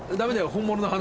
本物の花？